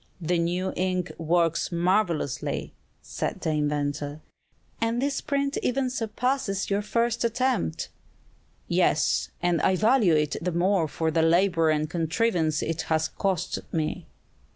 "The new ink works marvelously!" said the inventor. "And this print even surpasses your first attempt!" "Yes, and I value it the more for the labor and contrivance it has cost me."